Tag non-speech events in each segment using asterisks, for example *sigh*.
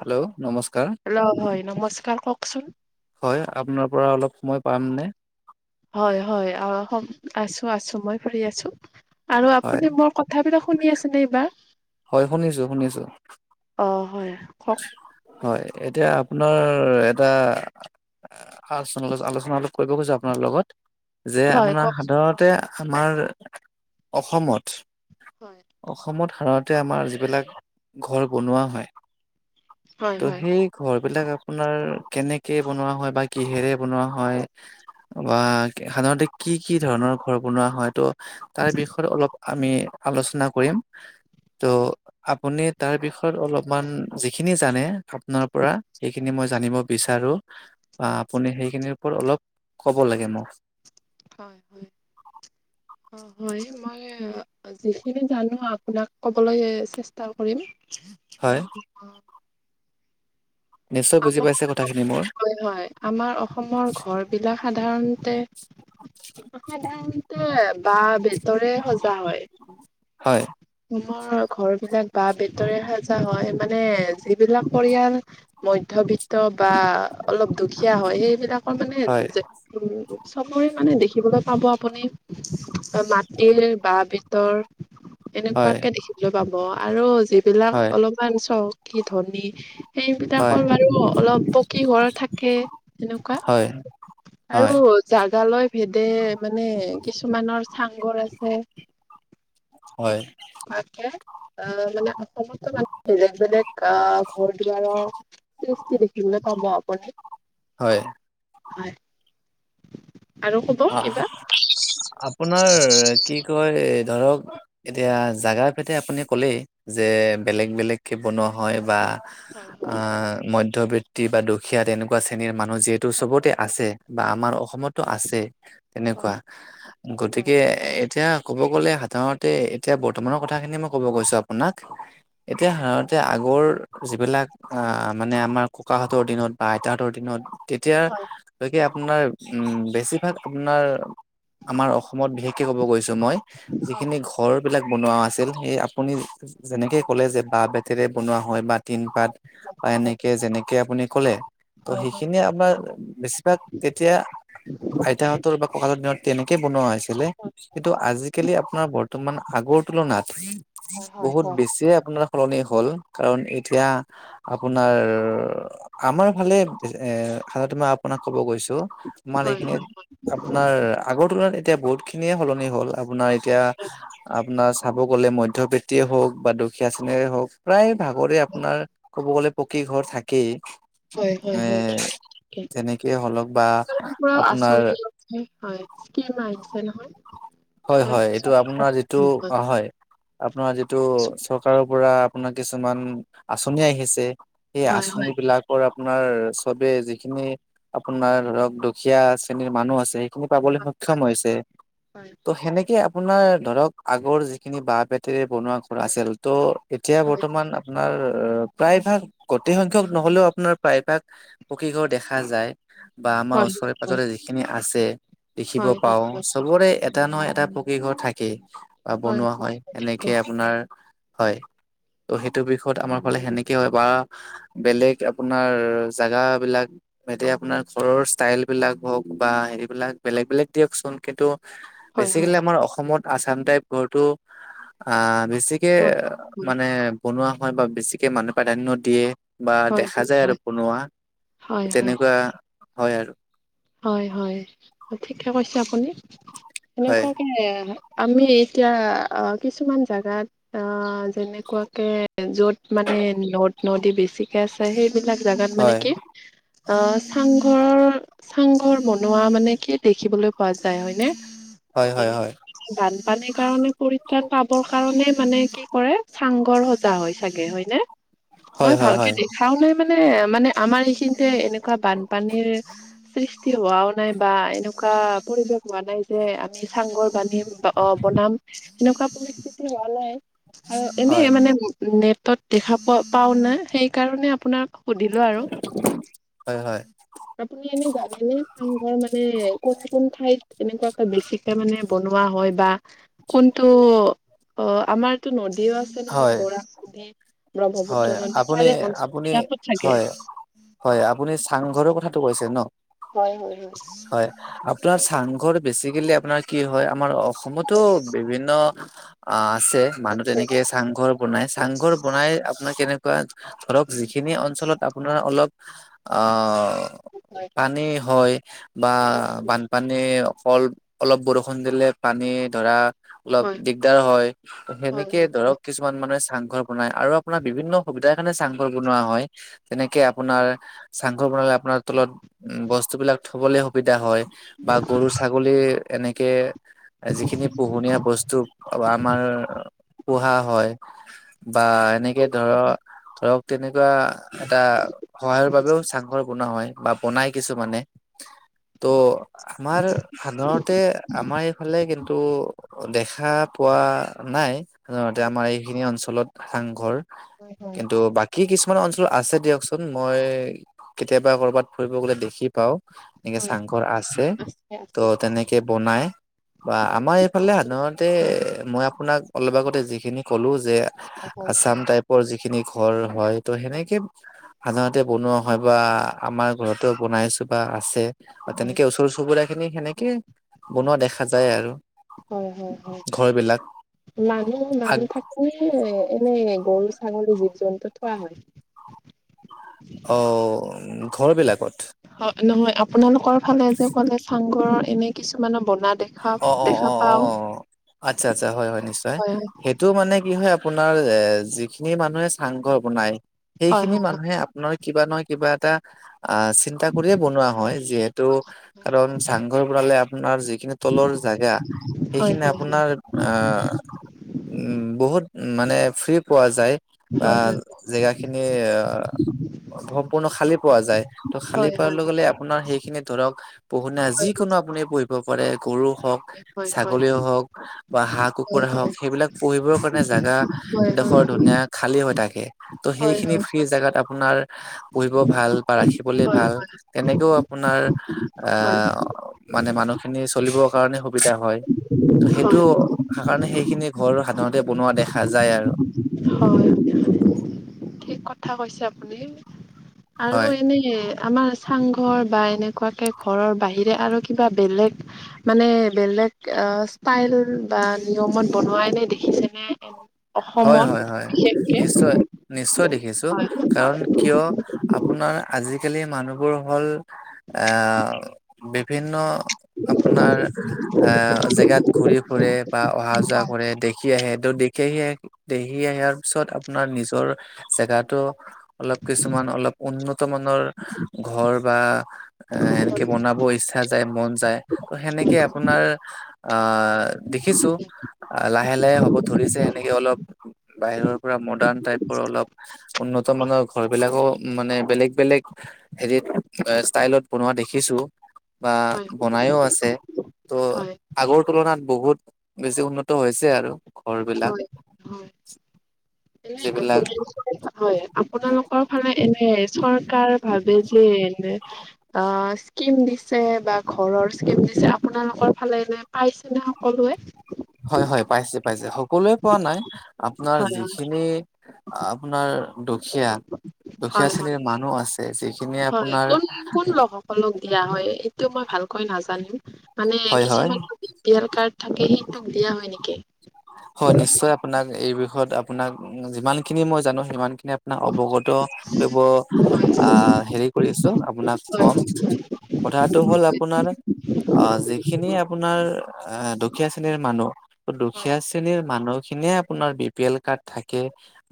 Hello নমস্কাৰ হয়, নমস্কাৰ কওকচোন? হয় আপোনাৰ পৰা অলপ সময় পামনে? হয়-হয়, আছো-আছো, মই ফ্ৰী আছো। আৰু হয় আপুনি মোৰ কথাবিলাক শুনি আছেনে এইবাৰ? হয় শুনিছো-শুনিছো। অ, হয় কওক? হয়, এতিয়া আপোনাৰ এটা আলচনা- আলোচনাটো, ' কৰিব কৈছো আপোনাৰ লগত যে হয় আপোনাৰ কওক সাধাৰণতে হামাৰ হয় অসমত-অসমত সাধাৰণতে আমাৰ যিবিলাক ঘৰ বনোৱা হয়। হয় তো হয়। সেই ঘৰ বিলাক আপোনাৰ কেনেকে বনোৱা হয় বা কিহেৰে বনোৱা হয় বা সাধাৰণতে কি-কি ধৰণৰ ঘৰ বনোৱা হয় ত' তাৰ বিষয়ে অলপ আমি আলোচনা কৰিম হয় ত' আপুনি তাৰ বিষয়ত অলপমান যিখিনি জানে, আপোনাৰ পৰা হয় সেইখিনি মই জানিব বিচাৰোঁ, অ', আপুনি সেইখিনিৰ অলপ ক'ব লাগে মোক। হয় অ, হয় মই যিখিনি জানো আপোনাক ক'বলৈ চেষ্টা কৰিম। হয় কি কও? নিশ্চয় বুজি পাইছে কথাখিনি মোৰ হয়-হয়, আমাৰ অসমৰ ঘৰ বিলাক সাধাৰণতে সাধাৰণতে বাঁহ-বেটৰে সজা হয়। হয় অসমৰ ঘৰ বিলাক বাঁহ-বেতৰে সাজা হয়। মানে যিবিলাক পৰিয়াল মধ্য মধ্যবিত্ত বা অলপ দুখীয়া হয় সেইবিলাকৰ মানে হয় *unintelligible* চবৰে মানে দেখিবলৈ পাব আপুনি মাটিৰ বাঁহ-বেতৰ হয় এনেকুৱাকে দেখিবলৈ পাব আৰু যিবিলাক হয় অলপমান চহকী ধনী হয় সেইবিলাকৰ বাৰু অলপ পকী ঘৰ থাকে সেনেকুৱা। হয় হয় আৰু হয় জাগা লৈ ভেদে মানে কিছুমানৰ চাংঘৰ আছে। হয় মাকে *unintelligible* অ, মানে অসমতো মানুহে বেলেগ-বেলেগ অ, ঘৰ দুৱাৰৰ সৃষ্টি দেখিবলে হ'ব আপুনি হয়। হয়, আৰু কব আহ কিবা? আপোনাৰ কি কয় এ', ধৰক? এতিয়া জাগা', এতিয়া আপুনি ক'লেই যে বেলেগ-বেলেগকে বনোৱা হয় বা হয় হয় মধ্য মধ্যবৃত্তি বা দুখীয়া তেনেকুৱা শ্ৰেণীৰ মানুহ যিহেতু চবতে আছে বা আমাৰ অসমতো আছে তেনেকুৱা হয় গতিকে এতিয়া ক'ব গ'লে সাধাৰণতে এতিয়া বৰ্তমানৰ কথাখিনিয়ি মই ক'ব গৈছো আপোনাক এতিয়া সাধণতে যে আগৰ যিবিলাক আ, মানে আমাৰ ককাহঁতৰ দিনত বা আইতাহঁতৰ দিনত হয় তেতিয়ালৈকে আপোনাৰ বেছিভাগ আপোনাৰ আমাৰ অস অসময়ত বিশেষকে ক'ব গৈছোঁ মই, হয় যিখিনি হয় ঘৰবিলাক বনোৱা আছিল সেই আপুনি', যেনেকে ক'লে যে বাঁহ বেতেৰে বনোৱা হয় বা তিন পাত বা এনেকে যেনেকে আপুনি কলে ত হয় হয় হয় সেইখিনিয় আপোনাৰ বেছিভাগ কেতিয়া আইতাহত ককাৰ হতৰ দিনত তেনেকে বনোৱা হৈছিলে কিন্তু আজিকালি আপোনাৰ বৰ্তমান আগৰ তুলনাত। হয় হয় হয় বহুত বেছিয়ে আপোনাৰ সলনি হ'ল কাৰণ এতিয়া আপোনাৰ আমাৰ ফালে এ সাধাতে মই আপোনাক ক'ব গৈছো। আমাৰ এইখিনিত আপোনাৰ আগৰ তুলনাত এতিয়া বহুত খিনিয়ে সলনি হ'ল আপোনাৰ এতিয়া আ আপোনাৰ চাব গ'লে মধ্যবিতিয়ে হওক বা দুখীয়া শ্ৰেণীৰে হওক প্ৰায় ভাগৰে আপোনাৰ ক'ব গ'লে। পকী ঘৰ থাকেই। হয় হয় হয় হয় হয় এ হয় তাকে তেনেকেই হলক বা পুৰা আপোনাৰ। আঁচনি হয় স্কম আহিছে নহয়। হয় হয় এইটো আপোনাৰ যিটো অ হয় আপোনাৰ যিটো চৰকাৰৰ আপোনাৰ কিছুমান আচনি আহিছে সেই হয় আঁচনী হয় বিলাকৰ আপোনাৰ চবেই যিখিনি আপোনাৰ ধৰক দুখীয়া শ্ৰেণীৰ মানুহ আছে। খিনি পাবলৈ সক্ষম হৈছে। হয় এনেকে আপোনাৰ ধৰক আগৰ যিখিনি বাহ বেতেৰে বনোৱা ঘৰ আছিল ত' এতিয়া হয় বৰ্তমান আপোন- আপোনাৰ প্ৰায়ভাগ গোটেই সংখ্যক নহলেও আপোনাৰ প্ৰায়ভাগ পকীঘৰ, দেখা যায়। বা আমাৰ হয় হয় ওচৰে পাজৰে যিখিনি আছে দেখিব হয় পাও হয় চবৰে। এটা নহয় এটা পকী ঘৰ থাকেই বা বনোৱা হয়, এনেকে আপোনাৰ হয়। এইটো সেইটো বিষয়ত আমাৰ ফালে সেনেকে হয় বা বেলেগ আপোনাৰ জেগা বিলাক এতিয়া আপোনাৰ ঘৰৰ ষ্টাইল বিলাক হওক বা হেৰিবলাক বেলেগ বেলেগ দিয়কচোন কিন্তু হয় হয় বেচিকেলি আমাৰ অসমত আচাম টাইপ ঘৰটো আ বেছিকে হয় হয় মানে বনোৱা হয়। বা বেছিকে মানুহ প্ৰাধান্য দিয়ে। বা হয় দেখা হয় যায় আৰু বনোৱা হয় হয় তেনেকুৱা হয়। আৰু হয় হয় ঠিকে কৈছে আপুনি হয়। এনেকুৱাকে- আমি এতিয়া অ কিছুমান জোগাত অ যেনেকুৱাকে য'ত মানে- মানে নদ, নদী, বেছিকে আছে সেই বিলাক জোগাত মানে হয় কি অ চাংঘৰৰ চাংঘৰ বনোৱা মানে কি দেখিবলৈ পোৱা যায় হয়নে। হয় হয় তেনে হয় বানপানীৰ কাৰণে পৰিত্ৰাণ পাব। কাৰণে মানে কি কৰে চাংঘৰ সজা হয় চাগে হয় নে। হয় মই হয় ভালকে হয় দেখাও নাই। মানে মানে আমাৰ এইখিনিতে এনেকুৱা বানপানীৰ। সৃষ্টি হোৱাও নাই বা এনেকুৱা পৰিৱেশ হোৱা নাই যে আমি চাংঘৰ বান্ধি। অ বনাম এনেকুৱা পৰিস্থিতি হোৱা নাই আৰু এনে হয়। মানে নে তত দেখা পোৱা পাও ন সেই কাৰণে আপোনাৰ- সুধিলো আৰু হয় হয়। আপুনি এনেই চাংঘৰ মানে কোন কোন ঠাইত এনেকুৱাে বেছিকে মানে বনোৱা হয় বা। কোনটো অ আমাৰতো নদীও আছে। নহয় হয় বৰা চ হয় ব্ৰহ্মপুত্ৰ নদী আপুনি আপুনি সেয়াৰে থাকে। হয় হয় আপুনি চাংঘৰৰ কথাটো কৈছে ন হয় হয় হয়। হয় আপোনাৰ চাং ঘৰ বেছিকেলি আপোনাৰ কি হয় আমাৰ অসমতো হয় বিভিন্ন আহ আছে মানুহ তেনেকে চাংঘৰ বনাই চাংঘৰ বনাই আপোনাৰ কেনেকুৱা। ধৰক যিখিনি অঞ্চলত আপোনাৰ অলপ আহ পানী, হয় বা বানপানী, - অল অলপ বৰষুণ দিলে পানী, ধৰা- অলপ হয় দিগদাৰ হয় হয় সেনেকে ধৰক কিছুমান মানে চাংঘৰ বনাই আৰু- আপোনাৰ বিভিন্ন সুবিধাৰ কাৰণে চাংঘৰ বনোৱা হয়। যেনেকে আপোনাৰ চাংঘৰ বনালে আপোনাৰ তলত উ বস্তুবিলাক থবলৈ সুবিধা হয়। বা গৰু, ছাগলী, এনেকে যিখিনি পোহনীয়া বস্তু আমাৰ পোহা হয়। বা এনেকে ধৰ ধৰক তেনেক এটা সহায়ৰ বাবেও চাংঘৰ বনোৱা হয় বা বনাই কিছুমানে। ত' আমাৰ সাধাৰতে আমাৰ এইফালে কিন্তু দেখা পোৱা নাই সাধাৰণতে হয়। আমাৰ এইখিনি অঞ্চলত হাংঘৰ হয় হয় হয়। কিন্তু বাকী কিছু কিছুমান অঞ্চল আছে দিয়কচোন মই কেতিয়াবা কৰ'বাত ফুৰিব গলে দেখি পাওঁ এনেকে হয় চাংঘৰ আছে, ত' তেনেকে বনাই, বা আমাৰ এইফালে সাধাৰণতে মই আপোনাক অলপ আগতে যিখিনি ক'লো যে হয়। আছাম টাইপৰ যিখিনি ঘৰ হয় ত' সেনেকে সাধাৰণতে বনোৱা হয় বা আমাৰ ঘৰতো বনাইছো বা আছে। আৰু তেনেকে ওচৰ চুবুৰীয়া খিনি সেনেকে বনোৱা দেখা যায় আৰু হয় হয় হয় ঘৰ বিলাক। মানুহ আগ মানুহ থাকিলে এনেই গৰু ছাগলী জীৱ জন্তু থোৱা হয়? অ ঘৰ বিলাকত? নহয় আপোনালোকৰ ফালে যে কলে চাংঘৰৰ এনে কিছুমানৰ বনাত অ অ অ অ আচ্ছা আচ্ছা হয় হয় নিশ্চয় সেইটো মানে কি হয় আপোনাৰ এ যিখিনি মানুহে চাংঘৰ বনাই হয় সেইখিনি হয় মানুহে আপোনাৰ কিবা নহয় কিবা এটা আহ চিন্তা কৰিয়ে বনোৱা হয় যিহেতু কাৰণ চাংঘৰ বনালে আপোনাৰ যি তলৰ জাগা হয় সেইখিনি হয় আপোনাৰ আহ উ বহুত উ মানে ফ্ৰী পোৱা যায় বা হয় হয় জেগাখিনি সম্পূৰ্ণ খালী পোৱা যায় ত' খালী হয় হয় পোৱাৰ হয় লগে লগে আপোনাৰ সেইখিনি ধৰক পোহনীয়া হয় যিকোনো আপুনি পুহিব পাৰে গৰু হওক, হয় হয় হয় ছাগলী হওক, বা হাঁহ -কুকুৰা হওক, সেইবিলাক পুঢ়িব কাৰণে জাগা হয় হয় হয় ডোখৰ হয় ধুনীয়া খালী হৈ থাকে। ত' হয় হয় সেইখিনি ফ্ৰী জাগাত আপোনাৰ পুহিব ভাল বা ৰাখিবলৈ হয় ভাল তেনেকেও আপোনাৰ এ হয় মানে মানুহখিনি চলিবৰ কাৰণে সুবিধা হয়। ত হয় সেইটো কাৰণে সেইখিনি ঘৰ সাধাৰণতে বনোৱা দেখা যায় আৰু হয় থিক কথা কথা কৈছে আপুনি আৰু হয় এনে আমাৰ চাংঘৰ বা এনেকুৱাকে ঘৰৰ বাহিৰে আৰু কিবা বেলেগ মানে বেলেগ ষ্টাইল বা নিয়মত বনোৱাই এনে দেখিছেনে? হয় অসমত হয় হয় বিশেষকে নিশ্চয় নিশ্চয় দেখ- দেখিছো হয় কাৰণ হয় কিয় আপোনাৰ আজিকালি মানুহবোৰ হ'ল এ বিপ- বিভিন্ন আপোনাৰ আহ জেগাত ঘুৰি ফুৰে বা অহা যোৱা কৰে দেখি আহে ত দেখি আহে দেখি আহাৰ পিছত আপোনাৰ নিজৰ জেগাতো অলপ কিছুমান অলপ উন্নত মনৰ ঘৰ বা এ এনেকে বনাব ইচ্ছা যায় মন যায় আপোনাৰ দেখিছো লাহে লাহে হ'ব এনেকে অলপ বাহিৰৰ পৰা মডাৰ্ণ টাইপৰ অলপ উন্নত মানৰ ঘৰ বিলাকো মানে বেলেগ বেলেগ হেৰিত ষ্টাইলত বনোৱা দেখিছো বা হয় বনাইও আছে ত' হয় হয় আগৰ তুলনাত বহুত বেছি উন্নত হৈছে আৰু ঘৰ বিলাক। হয় যিবিলাক আপোনালোকৰ ফালে এনে চৰকাৰ ভাবে যে এনে অ স্কিম দিছে বা ঘৰৰ স্কিম দিছে আপোনালোকৰ ফালে এনে পাইছে নে সকলোৱে? হয় হয় পাইছে পাইছে হ সকলোৱে পোৱা নাই আপোনাৰ হয় হয় যিখিনি আপোনাৰ দুখীয়া দুখীয়া হয় হয় শ্ৰেণীৰ মানুহ আছে যিখিনি হয় আপোনাৰ কোন কোন লোকসকলক দিয়া হয়? টো মই ভালকৈ নাজানো মানে হয় হয় কিছুমান বি পি এল কাৰ্ড থাকে সেইটোক দিয়া হয় নেকি? হয় নিশ্চয় আপোনাক এই বিষয়ত আপোনাক যিমান খিনি মই জানো সিমান আপোনাক অৱগত কৰিব আহ হেৰি কৰি আছো আপোনাক কম কথাটো হ'ল আপোনাৰ অ যিখিনি আপোনাৰ দুখীয়া শ্ৰেণীৰ মানুহ দু- হয় হয় হয় দুখীয়া শ্ৰেণীৰ মানুহখিনিয়ে আপোনাৰ বি পি এল কাৰ্ড থাকে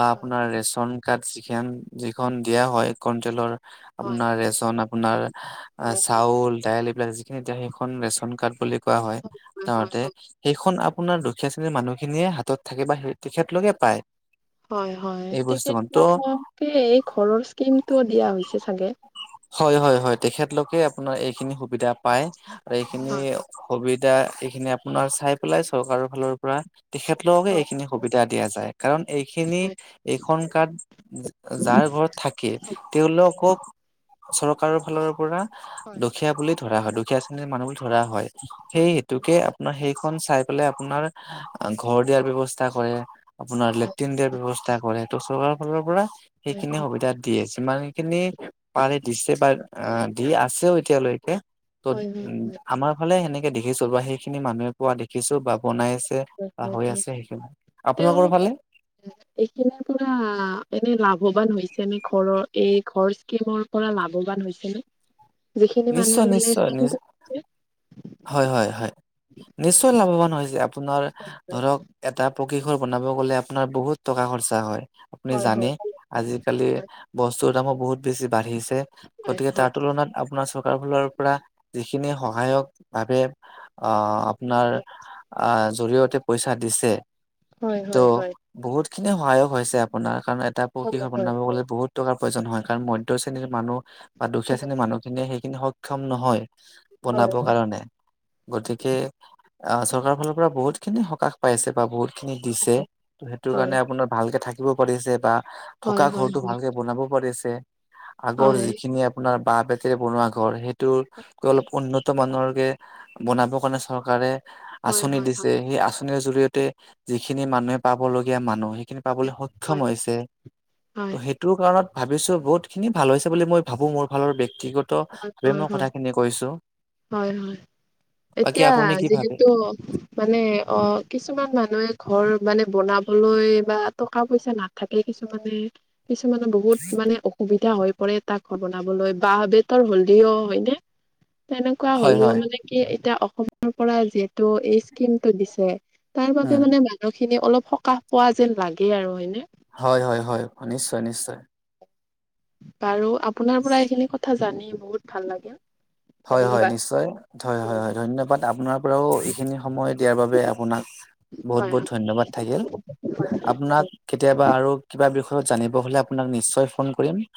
বা আপোনাৰ ৰেচন কাৰ্ড চিকিযান যিখন দিয়া হয় কন্তেলৰ হয়। আপোনাৰ ৰেচন আপোনাৰ অ হয় হয় হয় চাউল দাইল এইবিলাক যিখিনি এতিয়া সেইখন ৰেচন কাৰ্ড বুলি কোৱা হয় হয় হয় সাধাৰতে সেইখন আপোনাৰ দু- দুখীয়া শ্ৰেণীৰ মানুহখিনিয়ে হাতত থাকি বা সেই তেখেতলোকে পায়। হয় হয় এই বস্তুখন ত' তেখতলোকে এই ঘৰৰ স্কিমটো দিয়া হৈছে চাগে। হয় হয় হয় তেখেতলোকে আপোনাৰ এইখিনি সুবিধা পায় আৰু এইখিনি হয় সুবিধ- এতিয়া এইখিনি আপোনাৰ চাই পেলাই চৰকাৰৰ ফালৰ পৰা তেখেতলোককে হয় এইখিনি সুবিধা দিয়া যায় কাৰণ এইখিনি হয়। এইখন কাৰ্ড যাৰ ঘৰত থাকে তেওঁলোকক চৰকাৰৰ ফালৰ পৰা হয় হয়। দুখীয়া বুলি ধৰা হয়। দুখীয়া শ্ৰেণীৰ মানুহ ধৰা হয় সেই হয় হয় হেতুকে আপোনাৰ সেইখন চাই পেলাই আপোনাৰ ঘৰ দিয়াৰ ব্যৱস্থা কৰে। আপোনাৰ লেট্ৰিন দিয়াৰ ব্যৱস্থা কৰে সেইটো চৰকাৰৰ ফালৰ পৰা হয় সেইখিনি সুবিধা দিয়ে। ইমান খিনি পাৰে দিছে বা দি আছেও এতিয়ালৈকে। ত হয় হয় হয় উম আমাৰ ফালে সেনেকে দেখিছো বা সেইখিনি মানুহে পোৱা দেখিছো বা বনাইছ- হয় হৈ হয় আছে সেইখিন তেওঁলোক এইখিনিৰ পৰা এনে লাভৱান হৈছে নে ঘৰৰ এই ঘৰ স্কিমৰ পৰা লাভৱান হৈছে নে? যিখিনি নিশ্চয় মানুহে মানে নিশ্চয় নি *unintelligible* হয় হয় হয় নিশ্চয় লাভৱান হৈছে আপোনাৰ ধৰক এটা পক- পকী ঘৰ বনাব গ'লে আপোনাৰ বহুত টকা খৰচা হয়। আপুনি হয় জানে হয় আজিকালি বস্তুৰ দামো বহুত বেছি বাঢ়িছ- হয় গতিকে তাৰ হয় তুলনাত আপোনাৰ চৰকাৰৰ ফালৰ পৰা যিখিনি সহায়ক ভাবে আহ আপোনাৰ আহ জৰিয়তে পইচা দিছে। হয় হয় হয়। খিনিয়ে সহায়ক হৈছে আপোনাৰ কাৰণ এটা পকি ঘৰ বনাব গলে বহুত টকাৰ প্ৰয়োজন হয় কাৰণ মধ্য শ্ৰেণীৰ মানুহ বা দুখীয়া শ্ৰেণীৰ মানুহখিনিয়ে সেইখিনি সক্ষম নহয় বনাব হয় হয় কাৰণে গতিকে আহ চৰকাৰৰ ফালৰ পৰা বহুত খিনি সকাহ পাইছে বা বহুত খিনি দিছে ত' সেইটো কাৰণে আপোনাৰ ভালকে থাকিব পাৰিছে বা থকা হয় হয় হয় হয় হয় হয় হয় হয় ঘৰটো ভালকে বনাব পাৰিছে আগৰ যিখিনি আপোনাৰ বাঁহ বেতেৰে বনোৱা ঘৰ সেইটোকৈ অলপ উন্নত মানৰকে বনাবৰ কাৰণে চৰকাৰে আঁচনি দিছে সেই আঁচনিৰ জৰিয়তে যিখিনি মানুহে পাব লগীয়া মানুহ সেই খিনি পাবলৈ সক্ষম হৈছে। হয় ত' সেইটো কাৰত ভাবিছো বহুত খিনি ভাল হৈছে বুলি মই ভাবো মোৰ ফালৰ বে- ব্যক্তিগত ভাবে হয় মই কথাখিনি কৈছো। হয় হয় বাকী এতিয়া আপুনি কি ভাবে যিহেতু মানে অ কিছুমান মানুহে ঘৰ মানে বনাবলৈ বা টকা পইচা নাথাকে কিছুমানে কিছুমানে বহুত মানে অসুবিধা হৈ পৰে তাক ঘৰ বনাবলৈ বাহঁ বেত তাৰ হলদিও হয়নে তেনেকুৱা হয় হলিও হয় মানে কি এতিয়া অস- অসমৰ পৰা যিহেতু এই স্কিম টো দিছে তাৰ উম। বাবে মানে মানসিক খিনি অলপ সকাহ পোৱা যেন লাগে আৰু হয়নে? হয় হয় হয় নিশ্চয় নিশ্চয় বাৰু আপোনাৰ পৰা এইখিনি কথা জানি বহুত ভাল লাগে। হয় হয় নিশ্চয় হয় হয় হয় ধন্যবাদ আপোনাৰ পৰাও এইখিনি সময় দিয়াৰ বাবে আপোনাক বহুত হয় বহুত হয় ধন্যবাদ থাকিল। ধন্যবাদ। আপোনাক কেতিয়াবা আৰু কিবা বিষয়ত জানিব হলে আপোনাক নিশ্চয় ফোন কৰিম।